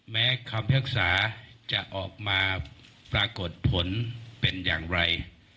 แม้คำพิพากษาจะออกมาปรากฏผลเป็นอย่างไร